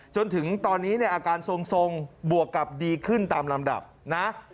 จนถึงตอนนี้เนี่ยอาการทรงบวกกับดีขึ้นตามลำดับนะ